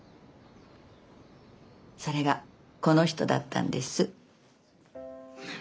それがこの人だったんです。